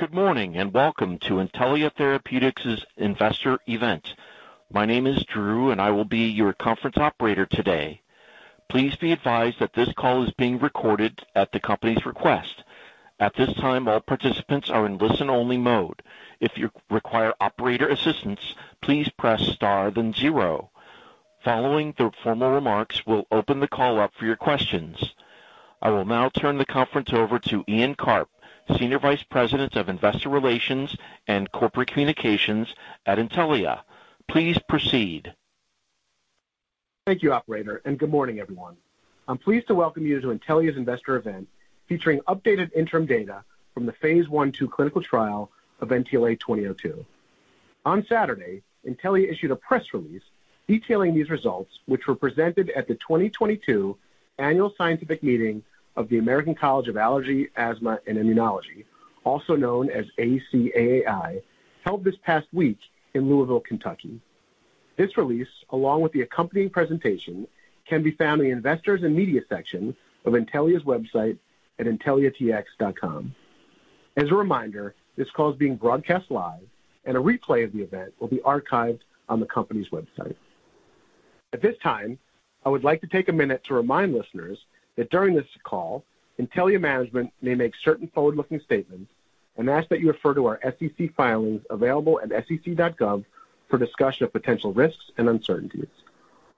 Good morning, and welcome to Intellia Therapeutics' investor event. My name is Drew, and I will be your conference operator today. Please be advised that this call is being recorded at the company's request. At this time, all participants are in listen-only mode. If you require operator assistance, please press star then zero. Following the formal remarks, we'll open the call up for your questions. I will now turn the conference over to Ian Karp, Senior Vice President of Investor Relations and Corporate Communications at Intellia. Please proceed. Thank you operator, and good morning, everyone. I'm pleased to welcome you to Intellia's investor event, featuring updated interim data from the phase I/II clinical trial of NTLA-2002. On Saturday, Intellia issued a press release detailing these results, which were presented at the 2022 Annual Scientific Meeting of the American College of Allergy, Asthma, & Immunology, also known as ACAAI, held this past week in Louisville, Kentucky. This release, along with the accompanying presentation, can be found in the Investors and Media section of Intellia's website at intelliatx.com. As a reminder, this call is being broadcast live and a replay of the event will be archived on the company's website. At this time, I would like to take a minute to remind listeners that during this call, Intellia management may make certain forward-looking statements and ask that you refer to our SEC filings available at sec.gov for discussion of potential risks and uncertainties.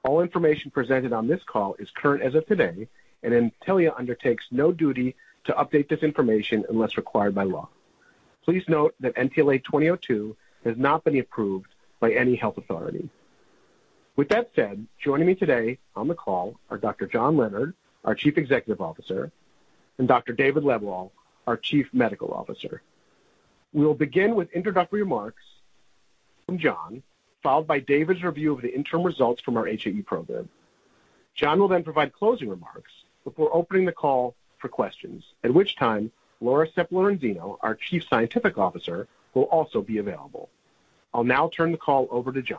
All information presented on this call is current as of today, and Intellia undertakes no duty to update this information unless required by law. Please note that NTLA-2002 has not been approved by any health authority. With that said, joining me today on the call are Dr. John Leonard, our Chief Executive Officer, and Dr. David Lebwohl, our Chief Medical Officer. We will begin with introductory remarks from John, followed by David's review of the interim results from our HAE program. John will then provide closing remarks before opening the call for questions, at which time Laura Sepp-Lorenzino, our Chief Scientific Officer, will also be available. I'll now turn the call over to John.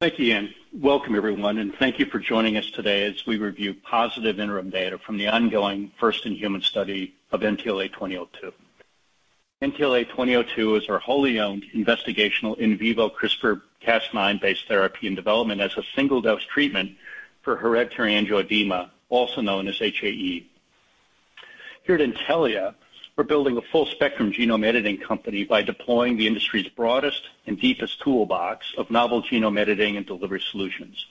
Thank you, Ian. Welcome everyone, and thank you for joining us today as we review positive interim data from the ongoing first-in-human study of NTLA-2002. NTLA-2002 is our wholly owned investigational in vivo CRISPR-Cas9-based therapy in development as a single-dose treatment for hereditary angioedema, also known as HAE. Here at Intellia, we're building a full spectrum genome editing company by deploying the industry's broadest and deepest toolbox of novel genome editing and delivery solutions.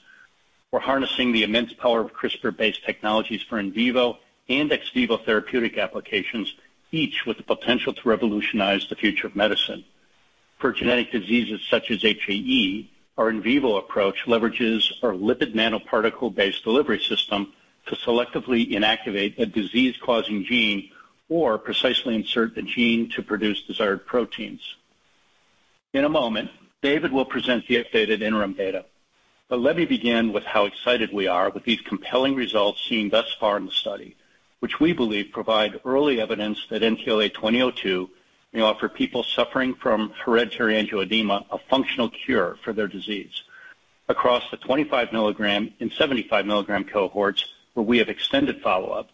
We're harnessing the immense power of CRISPR-based technologies for in vivo and ex vivo therapeutic applications, each with the potential to revolutionize the future of medicine. For genetic diseases such as HAE, our in vivo approach leverages our lipid nanoparticle-based delivery system to selectively inactivate a disease-causing gene or precisely insert the gene to produce desired proteins. In a moment, David will present the updated interim data. Let me begin with how excited we are with these compelling results seen thus far in the study, which we believe provide early evidence that NTLA-2002 may offer people suffering from hereditary angioedema a functional cure for their disease. Across the 25-mg and 75-mg cohorts where we have extended follow-up,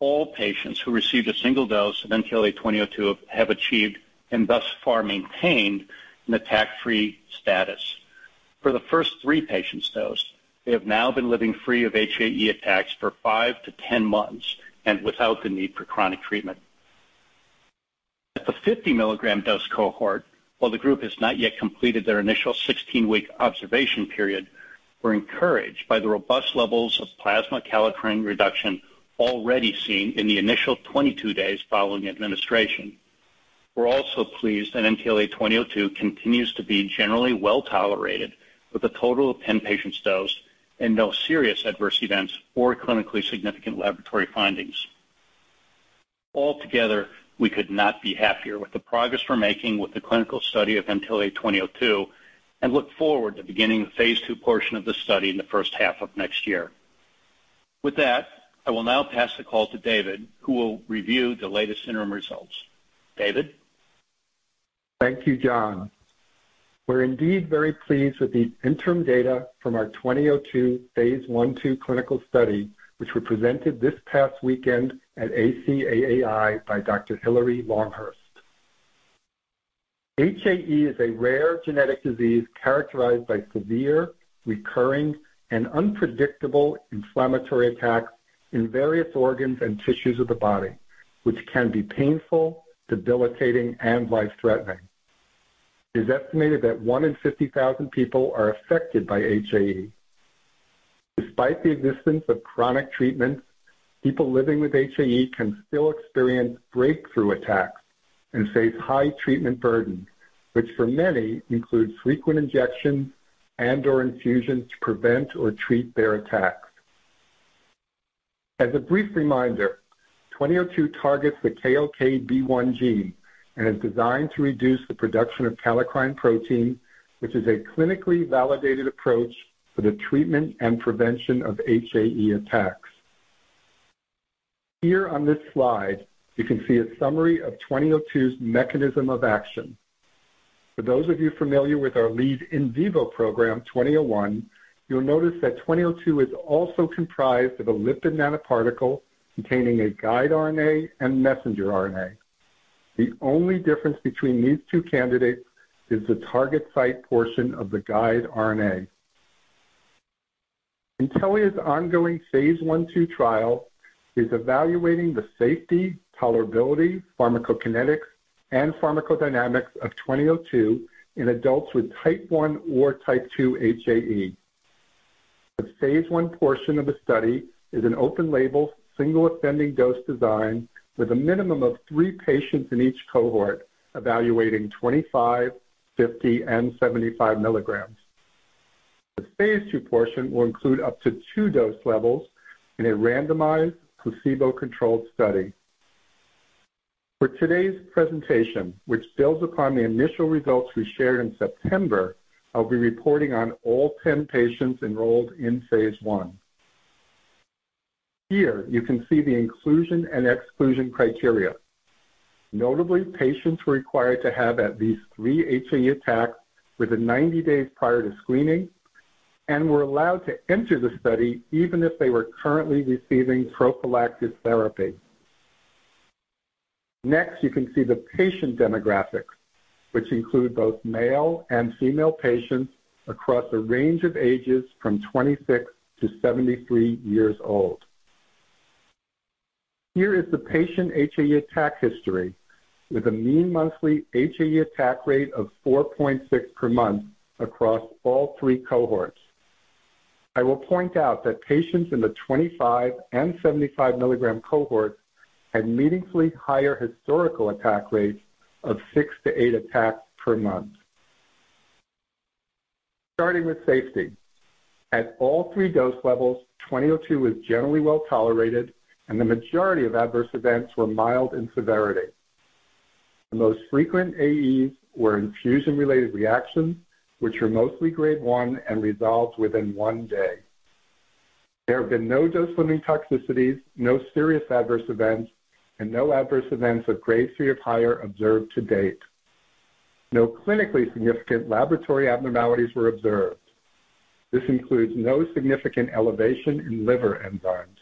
all patients who received a single dose of NTLA-2002 have achieved and thus far maintained an attack-free status. For the first three patients dosed, they have now been living free of HAE attacks for five to 10 months and without the need for chronic treatment. At the 50-mg dose cohort, while the group has not yet completed their initial 16-week observation period, we're encouraged by the robust levels of plasma kallikrein reduction already seen in the initial 22 days following administration. We're also pleased that NTLA-2002 continues to be generally well-tolerated with a total of 10 patients dosed and no serious adverse events or clinically significant laboratory findings. Altogether, we could not be happier with the progress we're making with the clinical study of NTLA-2002 and look forward to beginning the phase II portion of the study in the first half of next year. With that, I will now pass the call to David, who will review the latest interim results. David? Thank you, John. We're indeed very pleased with the interim data from our 2002 phase I/II clinical study, which were presented this past weekend at ACAAI by Dr. Hilary Longhurst. HAE is a rare genetic disease characterized by severe, recurring, and unpredictable inflammatory attacks in various organs and tissues of the body, which can be painful, debilitating, and life-threatening. It is estimated that one in 50,000 people are affected by HAE. Despite the existence of chronic treatments, people living with HAE can still experience breakthrough attacks and face high treatment burden, which for many includes frequent injections and/or infusions to prevent or treat their attacks. As a brief reminder, 2002 targets the KLKB1 gene and is designed to reduce the production of kallikrein protein, which is a clinically validated approach for the treatment and prevention of HAE attacks. Here on this slide, you can see a summary of NTLA-2002's mechanism of action. For those of you familiar with our lead in vivo program, NTLA-2001, you'll notice that NTLA-2002 is also comprised of a lipid nanoparticle containing a guide RNA and messenger RNA. The only difference between these two candidates is the target site portion of the guide RNA. Intellia's ongoing phase I/II trial is evaluating the safety, tolerability, pharmacokinetics, and pharmacodynamics of NTLA-2002 in adults with type 1 or type 2 HAE. The phase I portion of the study is an open-label, single ascending dose design with a minimum of three patients in each cohort evaluating 25, 50, and 75 mg. The phase II portion will include up to two dose levels in a randomized, placebo-controlled study. For today's presentation, which builds upon the initial results we shared in September, I'll be reporting on all 10 patients enrolled in phase I. Here you can see the inclusion and exclusion criteria. Notably, patients were required to have at least three HAE attacks within 90 days prior to screening and were allowed to enter the study even if they were currently receiving prophylactic therapy. Next, you can see the patient demographics, which include both male and female patients across a range of ages from 26-73 years old. Here is the patient HAE attack history with a mean monthly HAE attack rate of 4.6 per month across all three cohorts. I will point out that patients in the 25- and 75-mg cohort had meaningfully higher historical attack rates of six to eight attacks per month. Starting with safety. At all three dose levels, 2002 was generally well-tolerated, and the majority of adverse events were mild in severity. The most frequent AEs were infusion-related reactions, which were mostly grade one and resolved within one day. There have been no dose-limiting toxicities, no serious adverse events, and no adverse events of grade three or higher observed to date. No clinically significant laboratory abnormalities were observed. This includes no significant elevation in liver enzymes.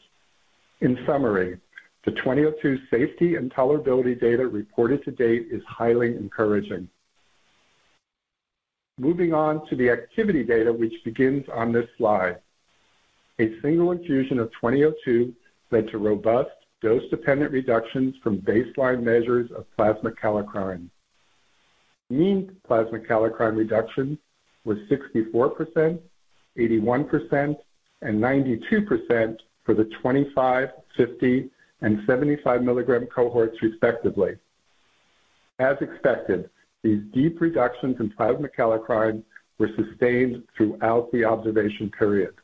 In summary, the 2002 safety and tolerability data reported to date is highly encouraging. Moving on to the activity data, which begins on this slide. A single infusion of 2002 led to robust dose-dependent reductions from baseline measures of plasma kallikrein. Mean plasma kallikrein reduction was 64%, 81%, and 92% for the 25, 50, and 75 mg cohorts respectively. As expected, these deep reductions in plasma kallikrein were sustained throughout the observation period.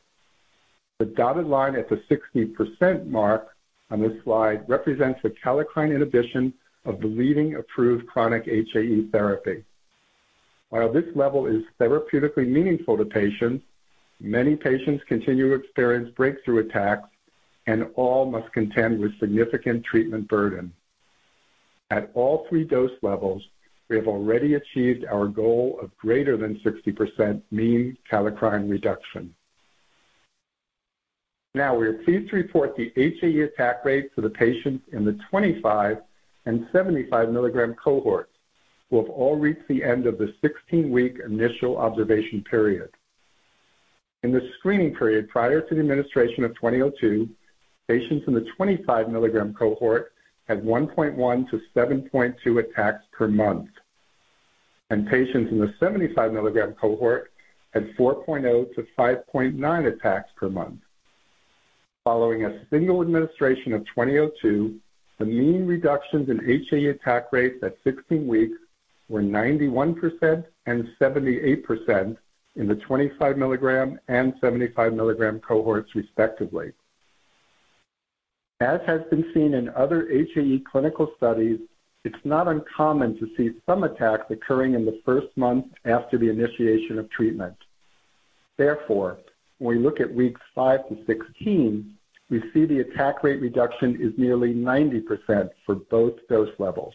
The dotted line at the 60% mark on this slide represents the kallikrein inhibition of the leading approved chronic HAE therapy. While this level is therapeutically meaningful to patients, many patients continue to experience breakthrough attacks, and all must contend with significant treatment burden. At all three dose levels, we have already achieved our goal of greater than 60% mean kallikrein reduction. Now we are pleased to report the HAE attack rates for the patients in the 25- and 75-mg cohort who have all reached the end of the 16-week initial observation period. In the screening period prior to the administration of NTLA-2002, patients in the 25 mg cohort had 1.1-7.2 attacks per month, and patients in the 75 mg cohort had 4.0-5.9 attacks per month. Following a single administration of NTLA-2002, the mean reductions in HAE attack rates at 16 weeks were 91% and 78% in the 25 mg and 75 mg cohorts, respectively. As has been seen in other HAE clinical studies, it's not uncommon to see some attacks occurring in the first month after the initiation of treatment. Therefore, when we look at weeks five to 16, we see the attack rate reduction is nearly 90% for both dose levels.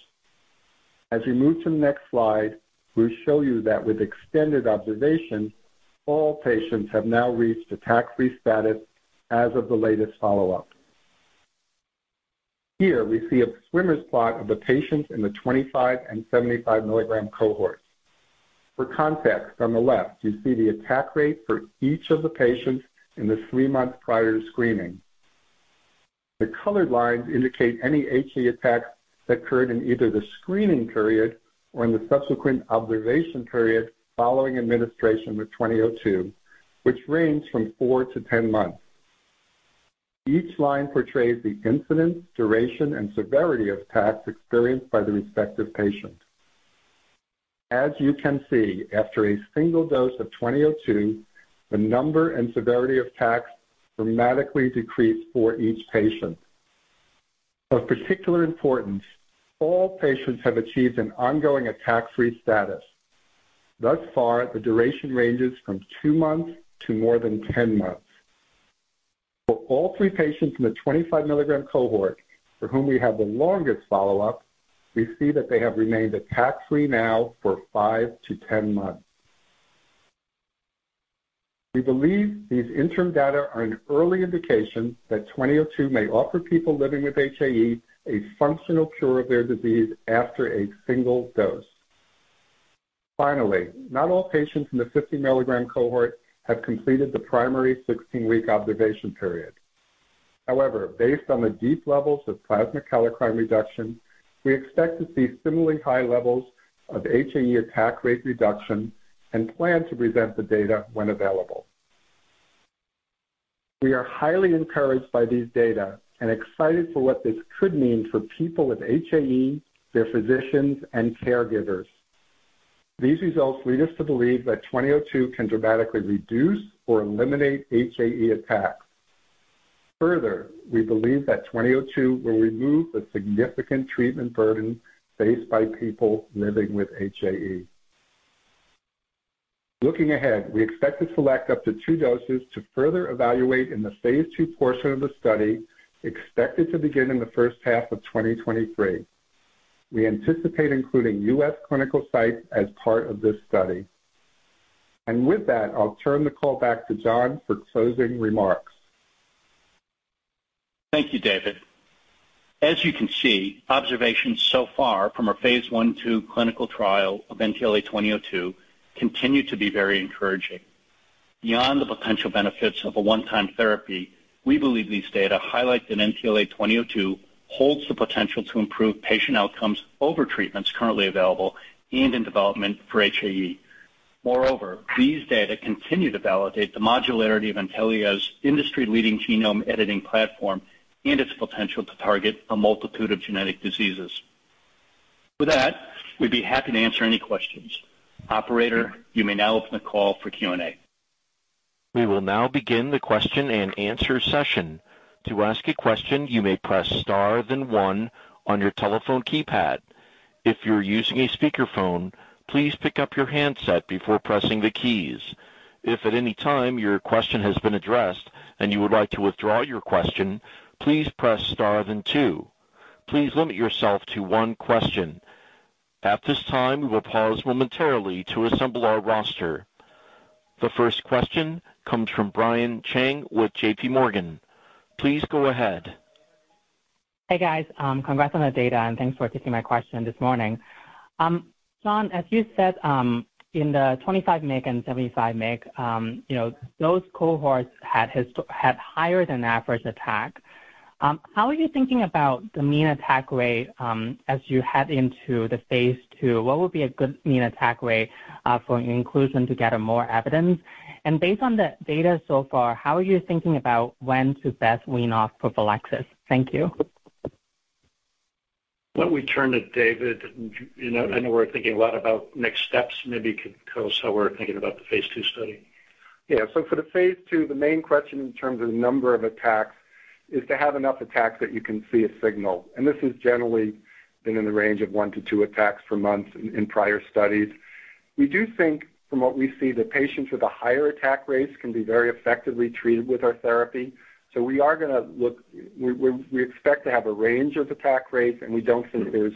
As we move to the next slide, we'll show you that with extended observation, all patients have now reached attack-free status as of the latest follow-up. Here we see a swimmer's plot of the patients in the 25- and 75-mg cohort. For context, on the left, you see the attack rate for each of the patients in the three months prior to screening. The colored lines indicate any HAE attacks that occurred in either the screening period or in the subsequent observation period following administration with 2002, which ranged from four to 10 months. Each line portrays the incidence, duration, and severity of attacks experienced by the respective patient. As you can see, after a single dose of 2002, the number and severity of attacks dramatically decreased for each patient. Of particular importance, all patients have achieved an ongoing attack-free status. Thus far, the duration ranges from two months to more than 10 months. For all three patients in the 25 mg cohort for whom we have the longest follow-up, we see that they have remained attack free now for five to 10 months. We believe these interim data are an early indication that NTLA-2002 may offer people living with HAE a functional cure of their disease after a single dose. Finally, not all patients in the 50 mg cohort have completed the primary 16-week observation period. However, based on the deep levels of plasma kallikrein reduction, we expect to see similarly high levels of HAE attack rate reduction and plan to present the data when available. We are highly encouraged by these data and excited for what this could mean for people with HAE, their physicians and caregivers. These results lead us to believe that 2002 can dramatically reduce or eliminate HAE attacks. Further, we believe that 2002 will remove the significant treatment burden faced by people living with HAE. Looking ahead, we expect to select up to two doses to further evaluate in the phase II portion of the study, expected to begin in the first half of 2023. We anticipate including U.S. clinical sites as part of this study. With that, I'll turn the call back to John for closing remarks. Thank you, David. As you can see, observations so far from our phase I/II clinical trial of NTLA-2002 continue to be very encouraging. Beyond the potential benefits of a one-time therapy, we believe these data highlight that NTLA-2002 holds the potential to improve patient outcomes over treatments currently available and in development for HAE. Moreover, these data continue to validate the modularity of Intellia's industry-leading genome editing platform and its potential to target a multitude of genetic diseases. With that, we'd be happy to answer any questions. Operator, you may now open the call for Q&A. We will now begin the question-and-answer session. To ask a question, you may press star then one on your telephone keypad. If you're using a speakerphone, please pick up your handset before pressing the keys. If at any time your question has been addressed and you would like to withdraw your question, please press star then two. Please limit yourself to one question. At this time, we will pause momentarily to assemble our roster. The first question comes from Brian Cheng with JPMorgan. Please go ahead. Hey, guys. Congrats on the data, and thanks for taking my question this morning. John, as you said, in the 25 mg and 75 mg, you know, those cohorts had higher than average attack. How are you thinking about the mean attack rate, as you head into the phase II? What would be a good mean attack rate for inclusion to gather more evidence? Based on the data so far, how are you thinking about when to best wean off prophylaxis? Thank you. Why don't we turn to David? You know, I know we're thinking a lot about next steps. Maybe you could tell us how we're thinking about the phase II study. Yeah. For the phase II, the main question in terms of number of attacks is to have enough attacks that you can see a signal. This has generally been in the range of one to two attacks per month in prior studies. We do think from what we see, the patients with a higher attack rates can be very effectively treated with our therapy. We expect to have a range of attack rates, and we don't think there's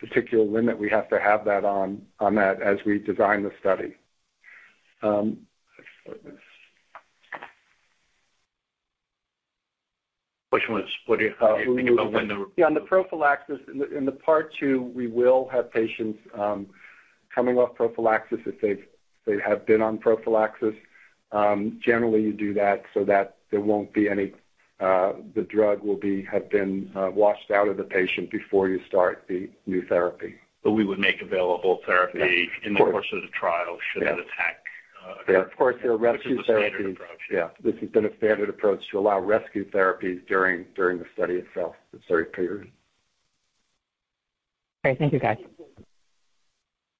particular limit we have to have that on that as we design the study. Which ones? What do you think about Yeah, on the prophylaxis. In Part 2, we will have patients coming off prophylaxis if they have been on prophylaxis. Generally you do that so that there won't be any, the drug will have been washed out of the patient before you start the new therapy. We would make available therapy. Yeah. in the course of the trial should an attack Of course, there are rescue therapy. Which is the standard approach. Yeah. This has been a standard approach to allow rescue therapies during the study itself, the study period. Great. Thank you, guys.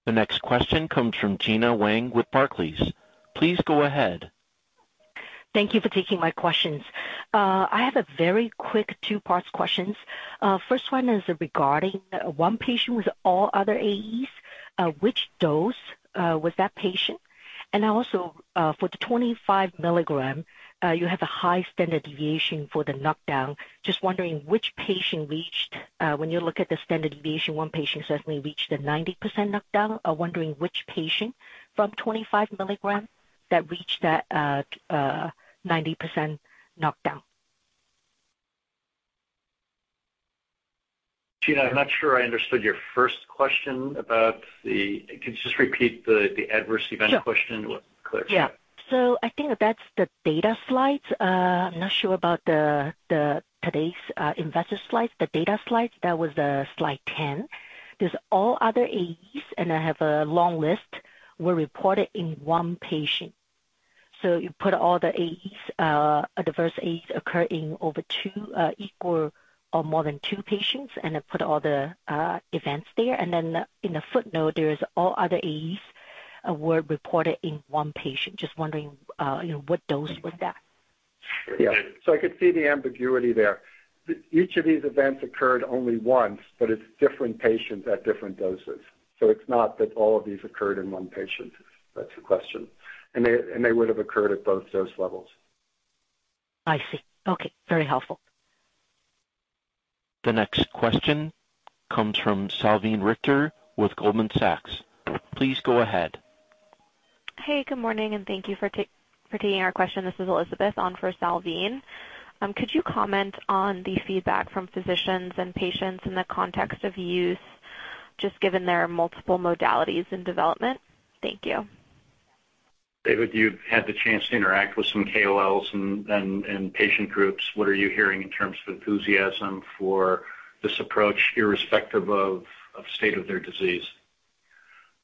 The next question comes from Gena Wang with Barclays. Please go ahead. Thank you for taking my questions. I have a very quick two-part question. First one is regarding one patient with all other AEs. Which dose was that patient? And also, for the 25 mg, you have a high standard deviation for the knockdown. Just wondering, when you look at the standard deviation, one patient certainly reached the 90% knockdown. I'm wondering which patient from 25 mg that reached that 90% knockdown. Gena, I'm not sure I understood your first question about the. Can you just repeat the adverse event question? Sure. Clear. I think that's the data slides. I'm not sure about the today's investor slides. The data slides, that was Slide 10. All other AEs, and I have a long list, were reported in one patient. You put all the AEs, adverse AEs occurring in two or more than two patients and put all the events there. Then in the footnote there is all other AEs were reported in one patient. Just wondering, you know, what dose was that? Yeah. I could see the ambiguity there. Each of these events occurred only once, but it's different patients at different doses. It's not that all of these occurred in one patient. That's the question. They would have occurred at both dose levels. I see. Okay. Very helpful. The next question comes from Salveen Richter with Goldman Sachs. Please go ahead. Hey, good morning, and thank you for taking our question. This is Elizabeth on for Salveen. Could you comment on the feedback from physicians and patients in the context of use just given their multiple modalities and development? Thank you. David, you've had the chance to interact with some KOLs and patient groups. What are you hearing in terms of enthusiasm for this approach, irrespective of state of their disease?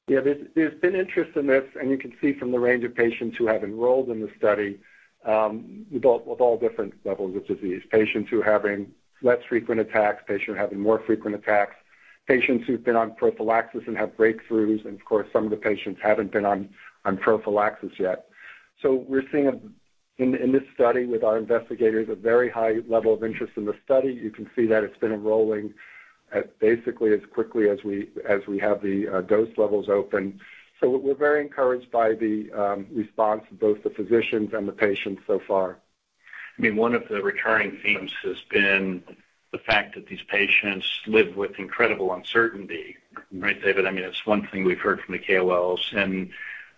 Yeah. There's been interest in this, and you can see from the range of patients who have enrolled in the study, with all different levels of disease. Patients who are having less frequent attacks, patients who are having more frequent attacks, patients who've been on prophylaxis and have breakthroughs, and of course, some of the patients haven't been on prophylaxis yet. We're seeing in this study with our investigators, a very high level of interest in the study. You can see that it's been enrolling at basically as quickly as we have the dose levels open. We're very encouraged by the response of both the physicians and the patients so far. I mean, one of the recurring themes has been the fact that these patients live with incredible uncertainty, right, David? I mean, that's one thing we've heard from the KOLs.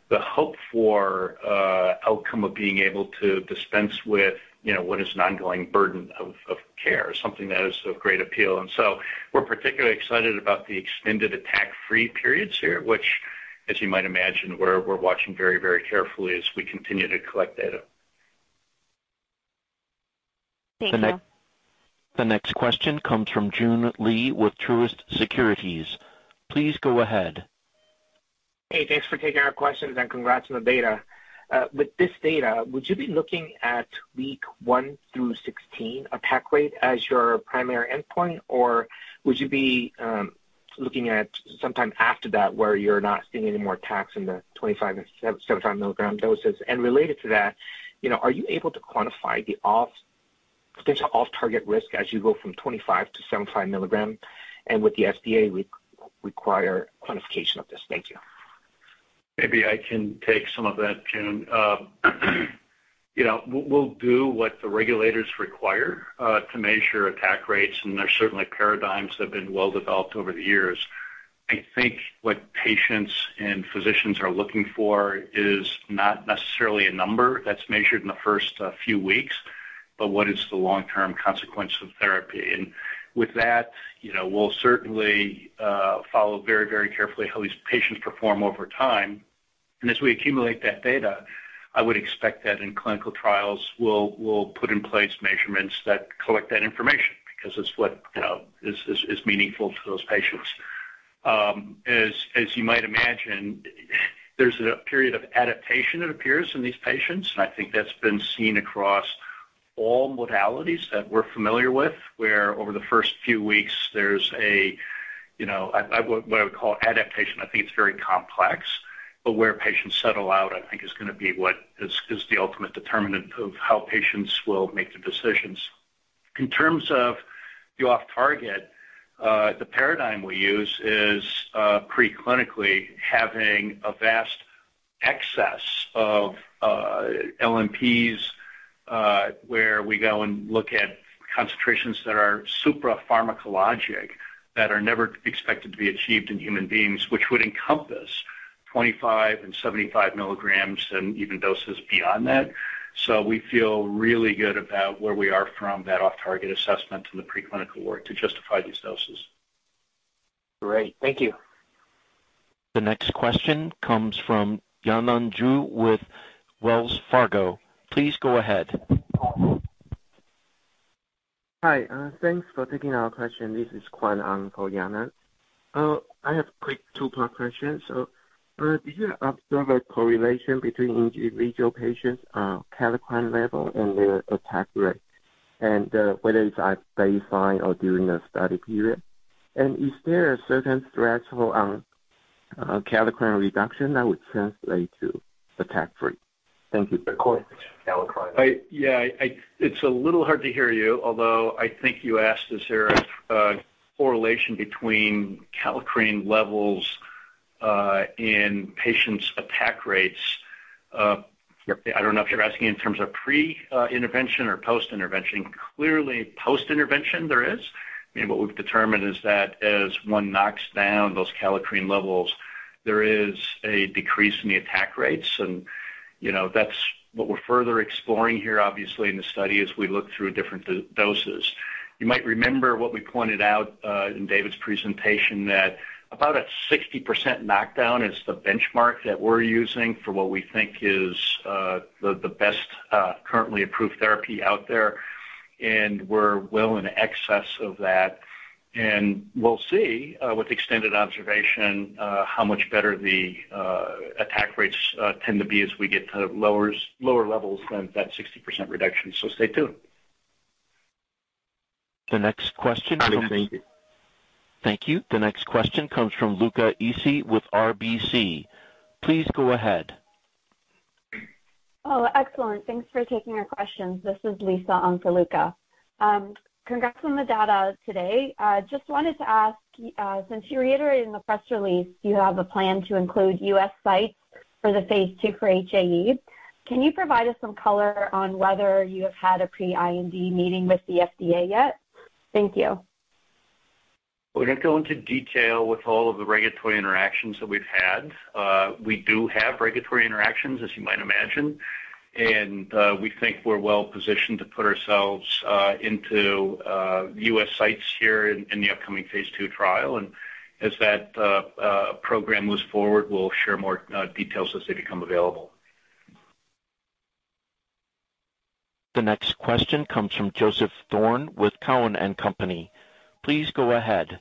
The hope for a outcome of being able to dispense with, you know, what is an ongoing burden of care is something that is of great appeal. We're particularly excited about the extended attack-free periods here, which, as you might imagine, we're watching very, very carefully as we continue to collect data. Thank you. The next question comes from Joon Lee with Truist Securities. Please go ahead. Hey, thanks for taking our questions, and congrats on the data. With this data, would you be looking at week one through 16 attack rate as your primary endpoint? Or would you be looking at some time after that where you're not seeing any more attacks in the 25 mg and 75 mg doses? And related to that, you know, are you able to quantify the potential off-target risk as you go from 25 mg-75 mg? And would the FDA require quantification of this? Thank you. Maybe I can take some of that, Joon. You know, we'll do what the regulators require to measure attack rates, and there's certainly paradigms that have been well developed over the years. I think what patients and physicians are looking for is not necessarily a number that's measured in the first few weeks, but what is the long-term consequence of therapy. With that, you know, we'll certainly follow very, very carefully how these patients perform over time. As we accumulate that data, I would expect that in clinical trials, we'll put in place measurements that collect that information because it's what, you know, is meaningful to those patients. As you might imagine, there's a period of adaptation that appears in these patients, and I think that's been seen across all modalities that we're familiar with, where over the first few weeks there's you know what I would call adaptation. I think it's very complex. Where patients settle out, I think is gonna be what is the ultimate determinant of how patients will make the decisions. In terms of the off-target, the paradigm we use is, preclinically having a vast excess of LNPs, where we go and look at concentrations that are suprapharmacologic, that are never expected to be achieved in human beings, which would encompass 25 mg and 75 mg and even doses beyond that. We feel really good about where we are from that off-target assessment in the preclinical work to justify these doses. Great. Thank you. The next question comes from Yanan Zhu with Wells Fargo. Please go ahead. Hi, thanks for taking our question. This is Ohsung Kwon for Yanan. I have quick two-part question. Did you observe a correlation between individual patients', kallikrein level and their attack rate, and whether it's at baseline or during the study period? Is there a certain threshold on, kallikrein reduction that would translate to attack free? Thank you. Kallikrein. Yeah, it's a little hard to hear you, although I think you asked, is there a correlation between kallikrein levels in patients' attack rates? I don't know if you're asking in terms of pre intervention or post-intervention. Clearly, post-intervention there is. I mean, what we've determined is that as one knocks down those kallikrein levels, there is a decrease in the attack rates. You know, that's what we're further exploring here, obviously, in the study as we look through different doses. You might remember what we pointed out in David's presentation, that about a 60% knockdown is the benchmark that we're using for what we think is the best currently approved therapy out there. We're well in excess of that. We'll see with extended observation how much better the attack rates tend to be as we get to lower levels than that 60% reduction. Stay tuned. The next question from. All right. Thank you. Thank you. The next question comes from Luca Issi with RBC. Please go ahead. Oh, excellent. Thanks for taking our questions. This is Lisa on for Luca. Congrats on the data today. Just wanted to ask, since you reiterated in the press release you have a plan to include U.S. sites For the phase II for HAE, can you provide us some color on whether you have had a pre-IND meeting with the FDA yet? Thank you. We're gonna go into detail with all of the regulatory interactions that we've had. We do have regulatory interactions, as you might imagine, and we think we're well-positioned to put ourselves into U.S. sites here in the upcoming phase II trial. As that program moves forward, we'll share more details as they become available. The next question comes from Joseph Thome with Cowen and Company. Please go ahead.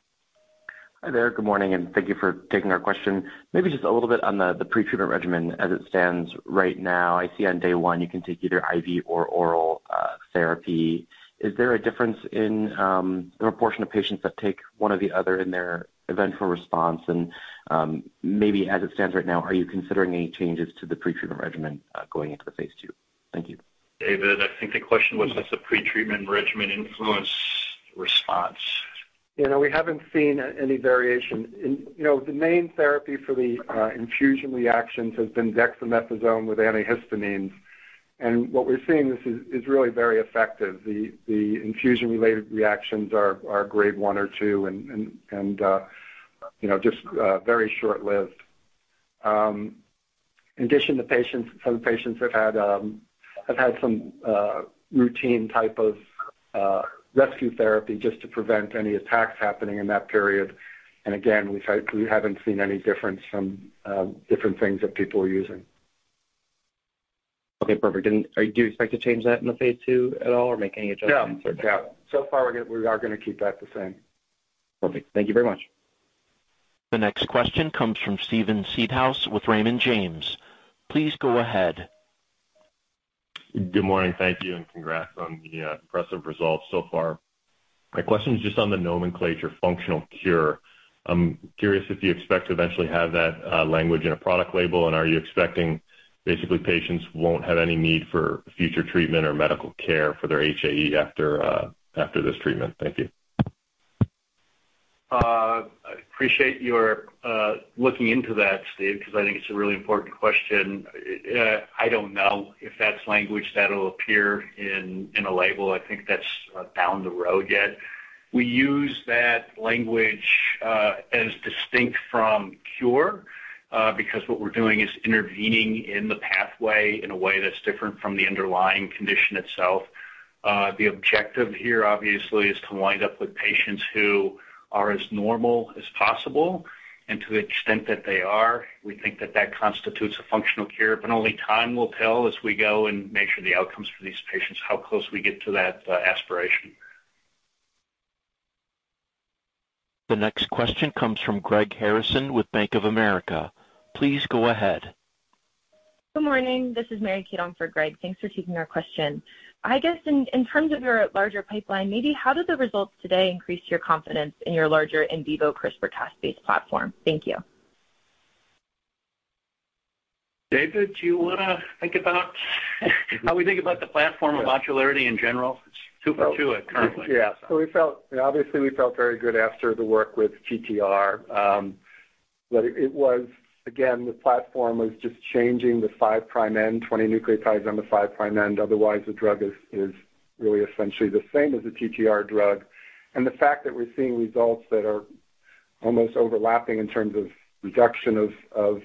Hi there. Good morning, and thank you for taking our question. Maybe just a little bit on the pretreatment regimen as it stands right now. I see on day one, you can take either IV or oral therapy. Is there a difference in the proportion of patients that take one or the other in their eventual response? Maybe as it stands right now, are you considering any changes to the pretreatment regimen going into the phase II? Thank you. David, I think the question was, does the pretreatment regimen influence response? You know, we haven't seen any variation. You know, the main therapy for the infusion reactions has been dexamethasone with antihistamines. What we're seeing is really very effective. The infusion-related reactions are grade one or two and you know, just very short-lived. In addition, some patients have had some routine type of rescue therapy just to prevent any attacks happening in that period. Again, we haven't seen any difference from different things that people are using. Okay, perfect. Do you expect to change that in the phase II at all or make any adjustments? No. So far we are gonna keep that the same. Perfect. Thank you very much. The next question comes from Steven Seedhouse with Raymond James. Please go ahead. Good morning. Thank you, and congrats on the impressive results so far. My question is just on the nomenclature functional cure. I'm curious if you expect to eventually have that language in a product label. Are you expecting basically patients won't have any need for future treatment or medical care for their HAE after this treatment? Thank you. I appreciate your looking into that, Steve, 'cause I think it's a really important question. I don't know if that's language that'll appear in a label. I think that's down the road yet. We use that language as distinct from cure because what we're doing is intervening in the pathway in a way that's different from the underlying condition itself. The objective here, obviously, is to wind up with patients who are as normal as possible. To the extent that they are, we think that constitutes a functional cure, but only time will tell as we go and make sure the outcomes for these patients, how close we get to that aspiration. The next question comes from Greg Harrison with Bank of America. Please go ahead. Good morning. This is Mary Kate on for Greg. Thanks for taking our question. I guess in terms of your larger pipeline, maybe how did the results today increase your confidence in your larger in vivo CRISPR-Cas9 based platform? Thank you. David, do you wanna think about how we think about the platform of modularity in general? It's two for two currently. Yeah. We felt very good after the work with TTR. Again, the platform was just changing the 5 prime end, 20 nucleotides on the 5 prime end. Otherwise, the drug is really essentially the same as the TTR drug. The fact that we're seeing results that are almost overlapping in terms of reduction of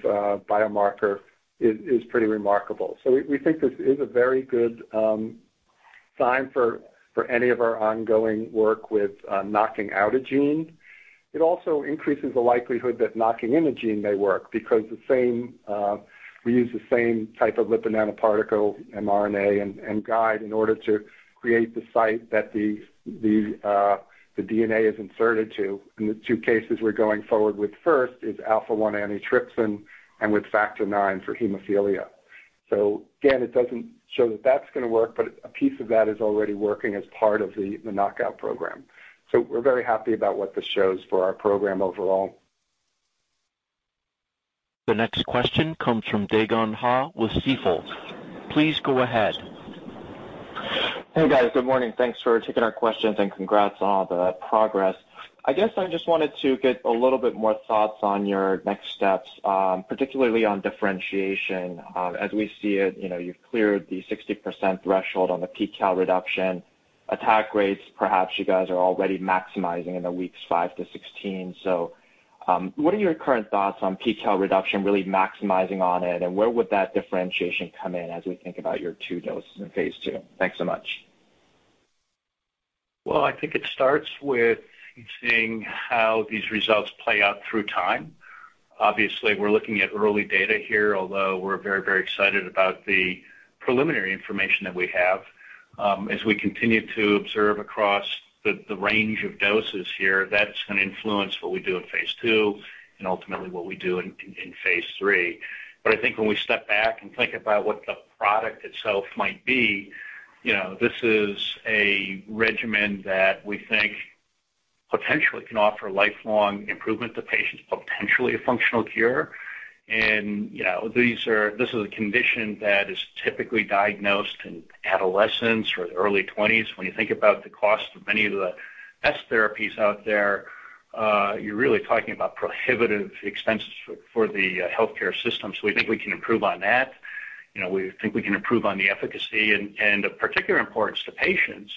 biomarker is pretty remarkable. We think this is a very good sign for any of our ongoing work with knocking out a gene. It also increases the likelihood that knocking in a gene may work because we use the same type of lipid nanoparticle, mRNA and guide in order to create the site that the DNA is inserted to. The two cases we're going forward with first is alpha-1 antitrypsin and with Factor IX for hemophilia. Again, it doesn't show that that's gonna work, but a piece of that is already working as part of the knockout program. We're very happy about what this shows for our program overall. The next question comes from Dae Gon Ha with Stifel. Please go ahead. Hey, guys. Good morning. Thanks for taking our questions, and congrats on all the progress. I guess I just wanted to get a little bit more thoughts on your next steps, particularly on differentiation. As we see it, you know, you've cleared the 60% threshold on the pKal reduction. Attack rates, perhaps you guys are already maximizing in the weeks five to 16. What are your current thoughts on pKal reduction really maximizing on it, and where would that differentiation come in as we think about your two doses in phase II? Thanks so much. Well, I think it starts with seeing how these results play out through time. Obviously, we're looking at early data here, although we're very, very excited about the preliminary information that we have. As we continue to observe across the range of doses here, that's gonna influence what we do in phase II and ultimately what we do in phase III. I think when we step back and think about what the product itself might be, you know, this is a regimen that we think potentially can offer lifelong improvement to patients, potentially a functional cure. You know, this is a condition that is typically diagnosed in adolescence or early 20s. When you think about the cost of many of the best therapies out there, you're really talking about prohibitive expenses for the healthcare system. We think we can improve on that. You know, we think we can improve on the efficacy. Of particular importance to patients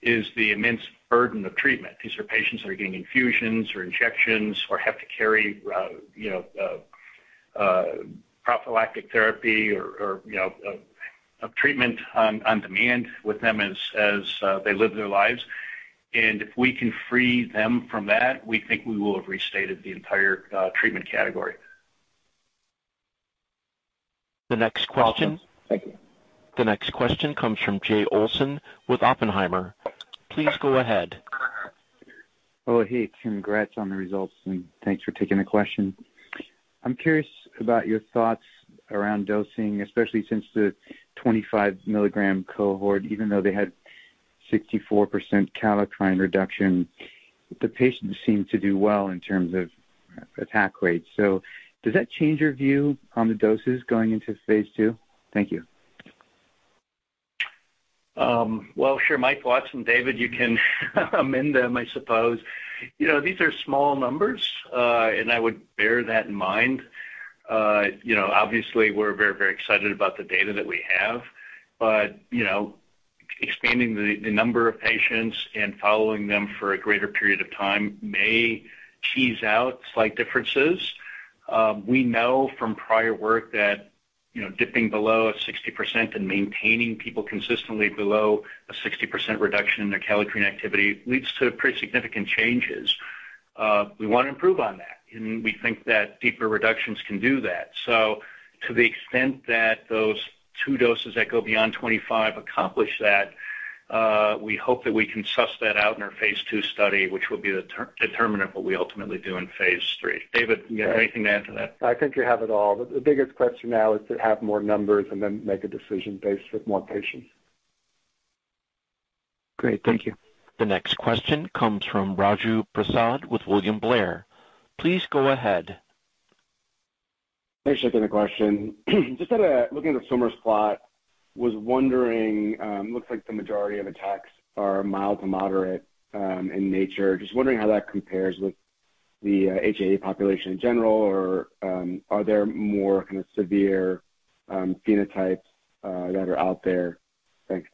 is the immense burden of treatment. These are patients that are getting infusions or injections or have to carry, you know, prophylactic therapy or, you know, a treatment on demand with them as they live their lives. If we can free them from that, we think we will have reset the entire treatment category. The next question.... The next question comes from Jay Olson with Oppenheimer. Please go ahead. Oh, hey, congrats on the results, and thanks for taking the question. I'm curious about your thoughts around dosing, especially since the 25 mg cohort, even though they had 64% kallikrein reduction, the patients seemed to do well in terms of attack rate. Does that change your view on the doses going into phase II? Thank you. Well, sure. Mike Watson, David, you can amend them, I suppose. You know, these are small numbers, and I would bear that in mind. You know, obviously, we're very, very excited about the data that we have. You know, expanding the number of patients and following them for a greater period of time may tease out slight differences. We know from prior work that, you know, dipping below a 60% and maintaining people consistently below a 60% reduction in their kallikrein activity leads to pretty significant changes. We wanna improve on that, and we think that deeper reductions can do that. To the extent that those two doses that go beyond 25 accomplish that, we hope that we can suss that out in our phase II study, which will be the determinant of what we ultimately do in phase III. David, you have anything to add to that? I think you have it all. The biggest question now is to have more numbers and then make a decision based with more patients. Great. Thank you. The next question comes from Raju Prasad with William Blair. Please go ahead. Thanks for taking the question. Just out of looking at the summary plot, was wondering, looks like the majority of attacks are mild to moderate in nature. Just wondering how that compares with the HAE population in general or are there more kind of severe phenotypes that are out there? Thanks.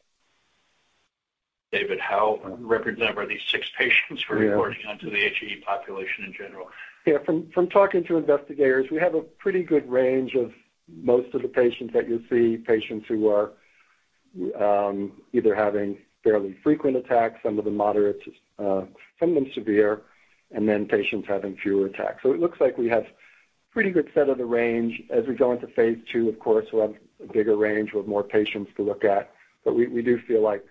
David, how representative are these six patients for reporting onto the HAE population in general? Yeah. From talking to investigators, we have a pretty good range of most of the patients that you'll see, patients who are either having fairly frequent attacks, some of them moderate, some of them severe, and then patients having fewer attacks. It looks like we have pretty good set of the range. As we go into phase II, of course, we'll have a bigger range. We'll have more patients to look at. We do feel like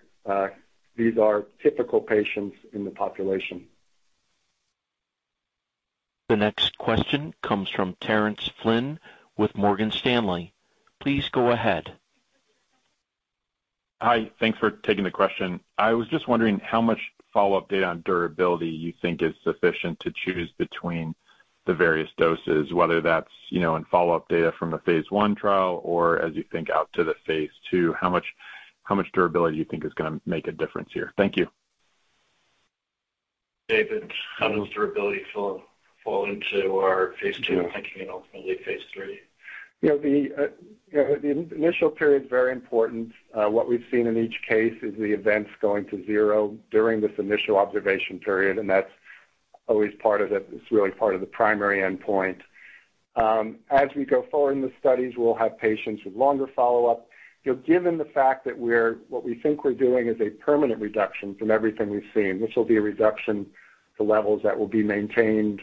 these are typical patients in the population. The next question comes from Terence Flynn with Morgan Stanley. Please go ahead. Hi. Thanks for taking the question. I was just wondering how much follow-up data on durability you think is sufficient to choose between the various doses, whether that's, you know, in follow-up data from the phase I trial or as you think out to the phase II, how much durability you think is gonna make a difference here? Thank you. David, how does durability fall into our phase II thinking and ultimately phase III? You know, the initial period is very important. What we've seen in each case is the events going to zero during this initial observation period, and that's always really part of the primary endpoint. As we go forward in the studies, we'll have patients with longer follow-up. You know, given the fact that what we think we're doing is a permanent reduction from everything we've seen, this will be a reduction to levels that will be maintained,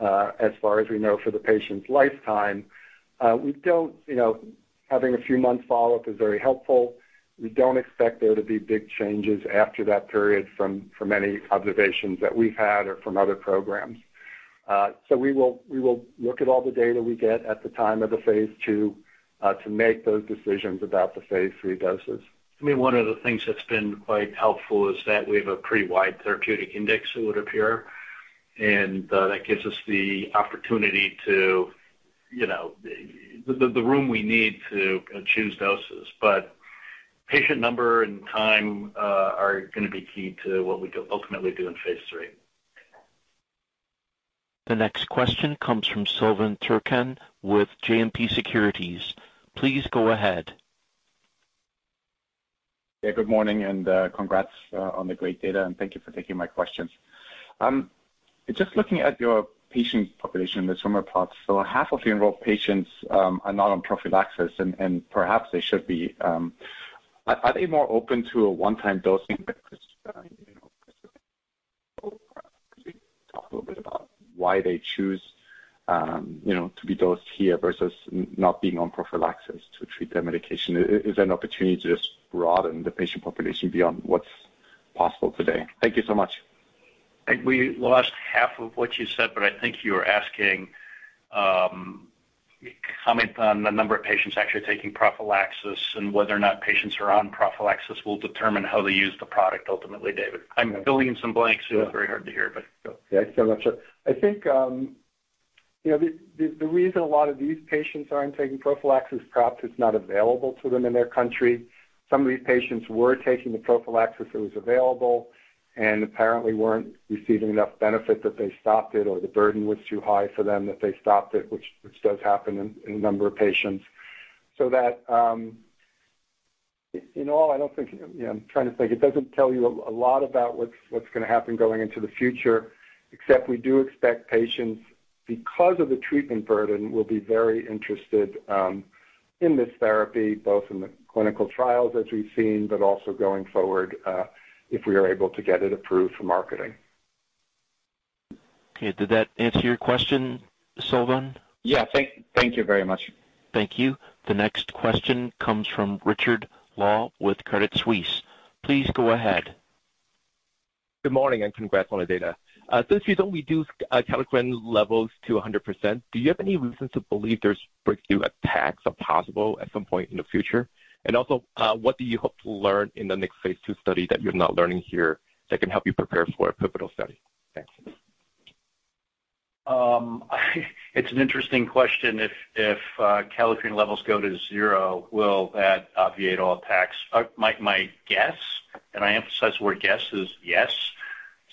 as far as we know, for the patient's lifetime. We don't, you know, having a few months follow-up is very helpful. We don't expect there to be big changes after that period from any observations that we've had or from other programs. We will look at all the data we get at the time of the phase II to make those decisions about the phase III doses. I mean, one of the things that's been quite helpful is that we have a pretty wide therapeutic index, it would appear, and that gives us the opportunity to, you know, the room we need to choose doses. Patient number and time are gonna be key to what we can ultimately do in phase III. The next question comes from Silvan Turkcan with JMP Securities. Please go ahead. Good morning and congrats on the great data, and thank you for taking my questions. Just looking at your patient population in the swimmer plots. Half of your enrolled patients are not on prophylaxis and perhaps they should be. Are they more open to a one-time dosing? Because, you know, could you talk a little bit about why they choose, you know, to be dosed here versus not being on prophylaxis to treat their medication? Is there an opportunity to just broaden the patient population beyond what's possible today? Thank you so much. I think we lost half of what you said, but I think you were asking comment on the number of patients actually taking prophylaxis and whether or not patients who are on prophylaxis will determine how they use the product ultimately, David. I'm filling in some blanks. You were very hard to hear, but go. Yeah, still not sure. I think. You know, the reason a lot of these patients aren't taking prophylaxis, perhaps it's not available to them in their country. Some of these patients were taking the prophylaxis that was available and apparently weren't receiving enough benefit that they stopped it, or the burden was too high for them that they stopped it, which does happen in a number of patients. In all I don't think, you know, I'm trying to think. It doesn't tell you a lot about what's gonna happen going into the future, except we do expect patients, because of the treatment burden, will be very interested in this therapy, both in the clinical trials as we've seen, but also going forward, if we are able to get it approved for marketing. Okay, did that answer your question, Silvan? Yeah. Thank you very much. Thank you. The next question comes from Richard Law with Credit Suisse. Please go ahead. Good morning, and congrats on the data. Since we don't reduce kallikrein levels to 100%, do you have any reason to believe there's breakthrough attacks are possible at some point in the future? Also, what do you hope to learn in the next phase II study that you're not learning here that can help you prepare for a pivotal study? Thanks. It's an interesting question. If kallikrein levels go to zero, will that obviate all attacks? My guess, and I emphasize the word guess, is yes,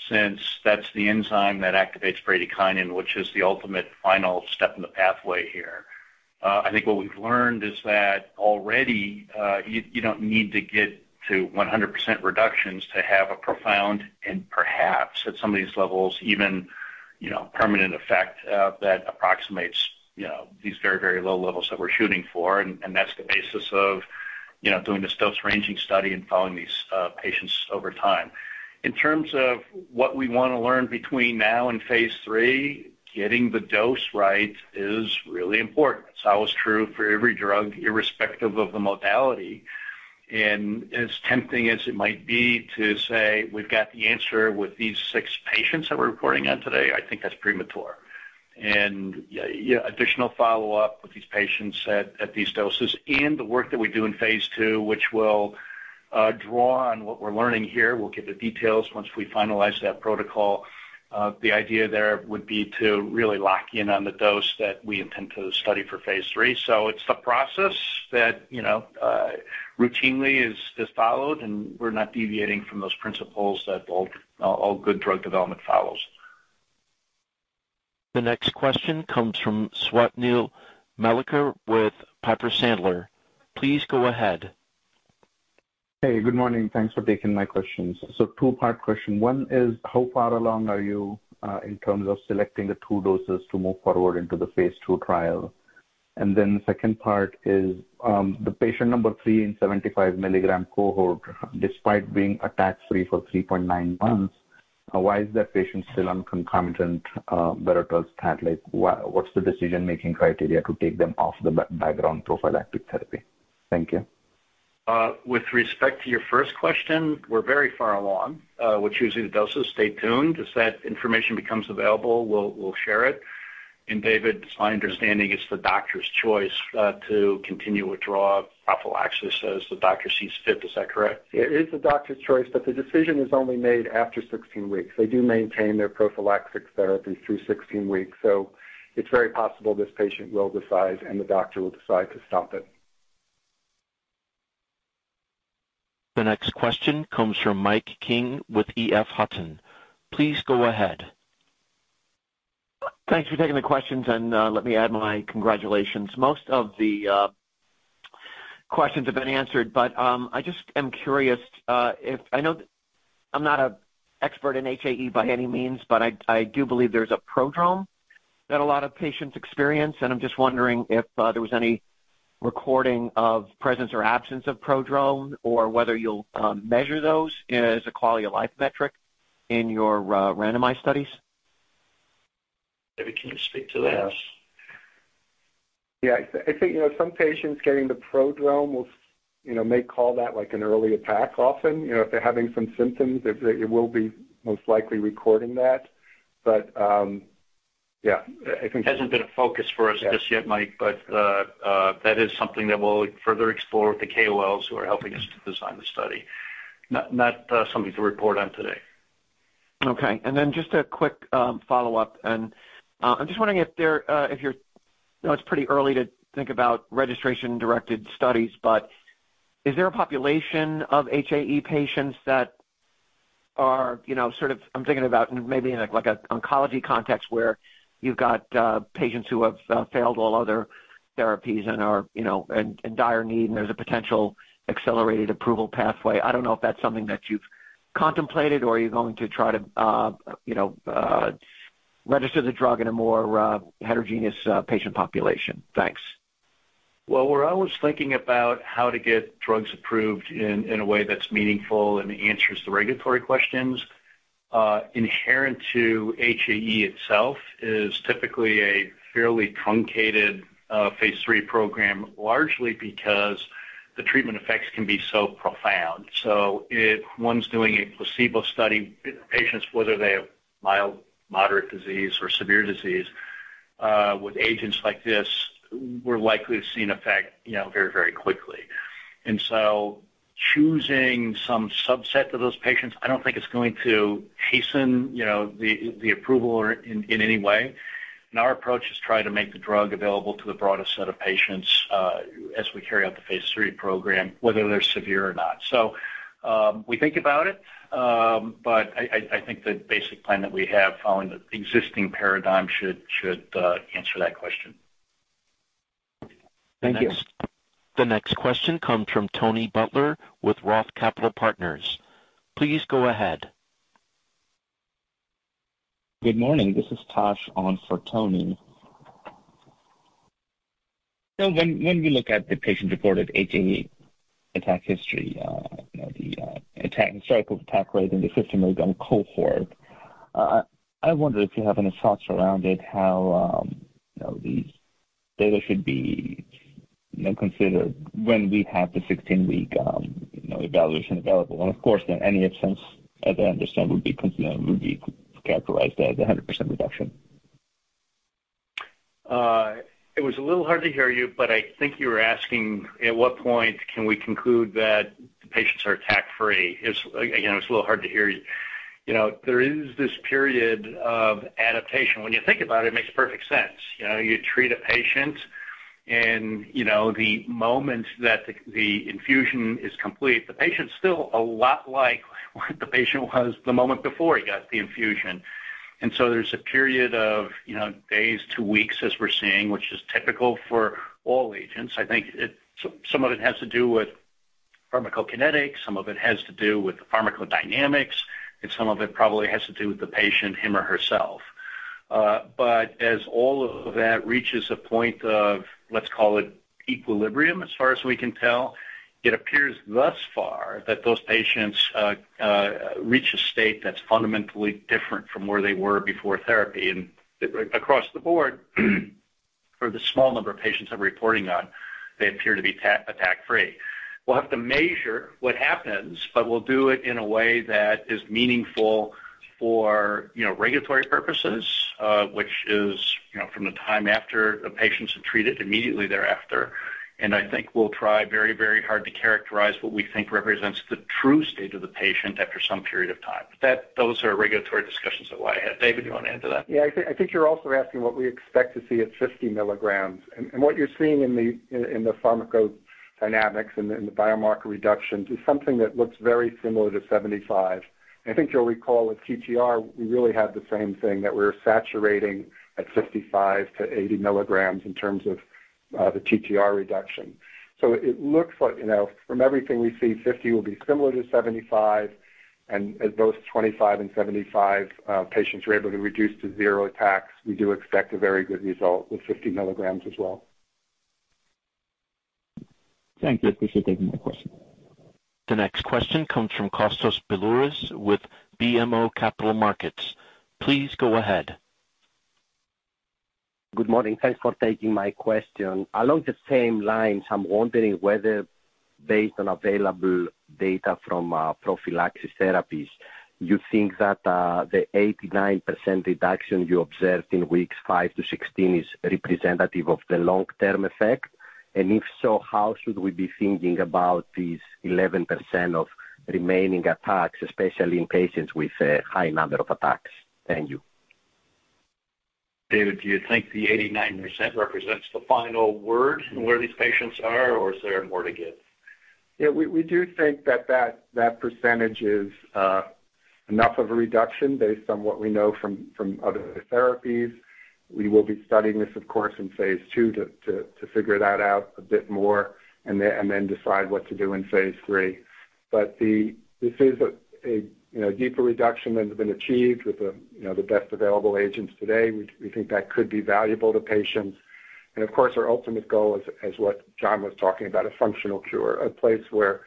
since that's the enzyme that activates bradykinin, which is the ultimate final step in the pathway here. I think what we've learned is that already, you don't need to get to 100% reductions to have a profound and perhaps at some of these levels, even, you know, permanent effect that approximates, you know, these very, very low levels that we're shooting for. That's the basis of, you know, doing this dose ranging study and following these patients over time. In terms of what we wanna learn between now and phase III, getting the dose right is really important. It's always true for every drug, irrespective of the modality. As tempting as it might be to say we've got the answer with these six patients that we're reporting on today, I think that's premature. Yeah, additional follow-up with these patients at these doses and the work that we do in phase II, which will draw on what we're learning here. We'll give the details once we finalize that protocol. The idea there would be to really lock in on the dose that we intend to study for phase III. It's the process that you know routinely is followed, and we're not deviating from those principles that all good drug development follows. The next question comes from Swapnil Melekar with Piper Sandler. Please go ahead. Hey, good morning. Thanks for taking my questions. Two-part question. One is, how far along are you in terms of selecting the two doses to move forward into the phase II trial? Then the second part is, the patient number three in 75 mg cohort, despite being attack-free for 3.9 months, why is that patient still on concomitant Berotralstat? Like, what's the decision-making criteria to take them off the background prophylactic therapy? Thank you. With respect to your first question, we're very far along with choosing the doses. Stay tuned. As that information becomes available, we'll share it. David, it's my understanding it's the doctor's choice to continue, withdraw prophylaxis as the doctor sees fit. Is that correct? It is the doctor's choice, but the decision is only made after 16 weeks. They do maintain their prophylactic therapy through 16 weeks. It's very possible this patient will decide and the doctor will decide to stop it. The next question comes from Mike King with EF Hutton. Please go ahead. Thanks for taking the questions, and let me add my congratulations. Most of the questions have been answered, but I just am curious. I know that I'm not an expert in HAE by any means, but I do believe there's a prodrome that a lot of patients experience, and I'm just wondering if there was any recording of presence or absence of prodrome or whether you'll measure those as a quality of life metric in your randomized studies. David, can you speak to that? Yes. Yeah. I think, you know, some patients getting the prodrome will, you know, may call that like an early attack often. You know, if they're having some symptoms, they will be most likely recording that. But, yeah, I think. Hasn't been a focus for us just yet, Mike. Okay. that is something that we'll further explore with the KOLs who are helping us to design the study. Not something to report on today. Okay. Just a quick follow-up and I'm just wondering. I know it's pretty early to think about registration-directed studies, but is there a population of HAE patients that are, you know, sort of, I'm thinking about maybe in, like, an oncology context where you've got patients who have failed all other therapies and are, you know, in dire need, and there's a potential accelerated approval pathway. I don't know if that's something that you've contemplated or are you going to try to, you know, register the drug in a more heterogeneous patient population? Thanks. Well, we're always thinking about how to get drugs approved in a way that's meaningful and answers the regulatory questions. Inherent to HAE itself is typically a fairly truncated phase III program, largely because the treatment effects can be so profound. If one's doing a placebo study in patients, whether they have mild, moderate disease or severe disease, with agents like this, we're likely to see an effect, you know, very, very quickly. Choosing some subset of those patients, I don't think it's going to hasten, you know, the approval or in any way. Our approach is try to make the drug available to the broadest set of patients, as we carry out the phase III program, whether they're severe or not. We think about it, but I think the basic plan that we have following the existing paradigm should answer that question. Thank you. The next question comes from Tony Butler with Roth Capital Partners. Please go ahead. Good morning. This is Tosh on for Tony. When we look at the patient-reported HA attack history, you know, the historical attack rate in the 15-week one cohort, I wonder if you have any thoughts around it, how, you know, these data should be considered when we have the 16-week, you know, evaluation available. Of course, any absence, as I understand, would be characterized as a 100% reduction. It was a little hard to hear you, but I think you were asking at what point can we conclude that the patients are attack-free. It's, again, it's a little hard to hear you. You know, there is this period of adaptation. When you think about it makes perfect sense. You know, you treat a patient and, you know, the moment that the infusion is complete, the patient's still a lot like what the patient was the moment before he got the infusion. There's a period of, you know, days to weeks as we're seeing, which is typical for all agents. I think some of it has to do with pharmacokinetics, some of it has to do with the pharmacodynamics, and some of it probably has to do with the patient, him or herself, As all of that reaches a point of, let's call it equilibrium, as far as we can tell, it appears thus far that those patients reach a state that's fundamentally different from where they were before therapy. Across the board, for the small number of patients I'm reporting on, they appear to be attack free. We'll have to measure what happens, but we'll do it in a way that is meaningful for, you know, regulatory purposes, which is, you know, from the time after the patients are treated immediately thereafter. I think we'll try very, very hard to characterize what we think represents the true state of the patient after some period of time. Those are regulatory discussions that way ahead. David, you wanna add to that? Yeah. I think you're also asking what we expect to see at 50 mg. What you're seeing in the pharmacodynamics and the biomarker reduction is something that looks very similar to 75. I think you'll recall with TTR, we really had the same thing, that we were saturating at 55 mg-80 mg in terms of the TTR reduction. It looks like, you know, from everything we see, 50 will be similar to 75. As both 25 and 75 patients were able to reduce to zero attacks, we do expect a very good result with 50 mg as well. Thank you. Appreciate taking my question. The next question comes from Kostas Biliouris with BMO Capital Markets. Please go ahead. Good morning. Thanks for taking my question. Along the same lines, I'm wondering whether based on available data from prophylaxis therapies, you think that the 89% reduction you observed in weeks five to 16 is representative of the long-term effect? If so, how should we be thinking about these 11% of remaining attacks, especially in patients with a high number of attacks? Thank you. David, do you think the 89% represents the final word where these patients are, or is there more to give? We do think that percentage is enough of a reduction based on what we know from other therapies. We will be studying this, of course, in phase II to figure that out a bit more and then decide what to do in phase III. This is a, you know, deeper reduction than has been achieved with the, you know, best available agents today. We think that could be valuable to patients. Of course, our ultimate goal is what John was talking about, a functional cure, a place where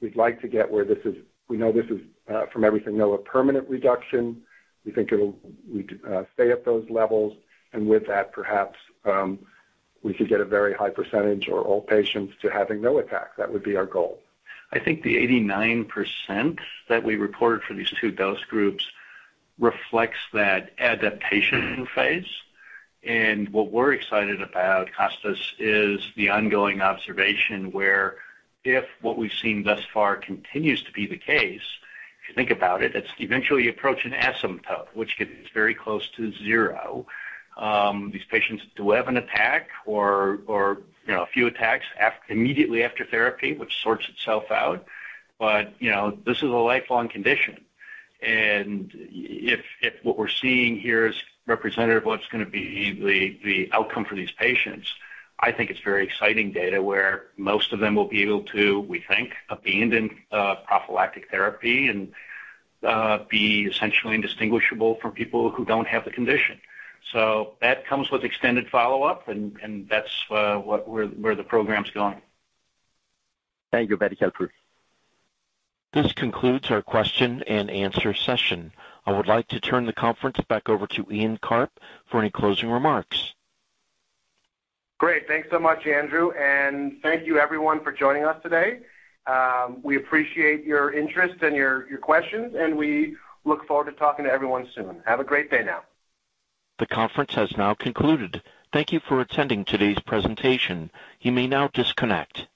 we'd like to get where this is a permanent reduction. We know this is, from everything we know, a permanent reduction. We think we'd stay at those levels, and with that, perhaps, we could get a very high percentage or all patients to having no attacks. That would be our goal. I think the 89% that we reported for these two dose groups reflects that adaptation phase. What we're excited about, Kostas, is the ongoing observation where if what we've seen thus far continues to be the case, if you think about it's eventually approach an asymptote, which gets very close to zero. These patients do have an attack or, you know, a few attacks immediately after therapy, which sorts itself out. You know, this is a lifelong condition. If what we're seeing here is representative of what's gonna be the outcome for these patients, I think it's very exciting data where most of them will be able to, we think, abandon prophylactic therapy and be essentially indistinguishable from people who don't have the condition. that comes with extended follow-up and that's where the program's going. Thank you. Very helpful. This concludes our question-and-answer session. I would like to turn the conference back over to Ian Karp for any closing remarks. Great. Thanks so much, Andrew. Thank you everyone for joining us today. We appreciate your interest and your questions, and we look forward to talking to everyone soon. Have a great day now. The conference has now concluded. Thank you for attending today's presentation. You may now disconnect.